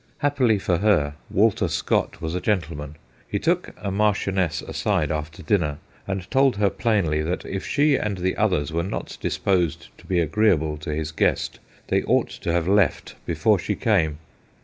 Happily for her, Walter Scott was a gentleman : he took a marchioness aside after dinner and told her plainly that if she and the others were not disposed to be agreeable to his guest they ought to have left before she came.